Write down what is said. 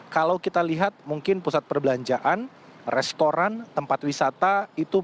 kalau kita lihat mungkin pusat perbelanjaan restoran tempat wisata itu